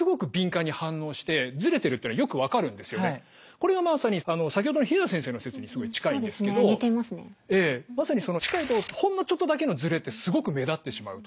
これがまさに先ほどの日永田先生の説にすごい近いんですけどまさにほんのちょっとだけのズレってすごく目立ってしまうと。